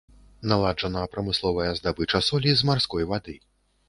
Наладжана прамысловая здабыча солі з марской вады.